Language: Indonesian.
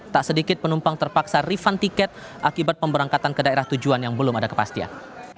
tak sedikit penumpang terpaksa refund tiket akibat pemberangkatan ke daerah tujuan yang belum ada kepastian